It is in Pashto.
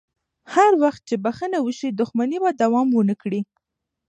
هر وخت چې بخښنه وشي، دښمني به دوام ونه کړي.